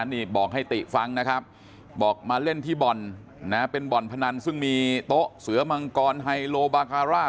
นี่บอกให้ติฟังนะครับบอกมาเล่นที่บ่อนนะเป็นบ่อนพนันซึ่งมีโต๊ะเสือมังกรไฮโลบาคาร่า